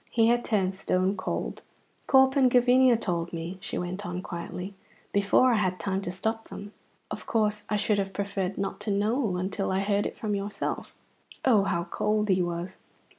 He had turned stone cold. "Corp and Gavinia told me," she went on quietly, "before I had time to stop them. Of course I should have preferred not to know until I heard it from yourself." Oh, how cold he was!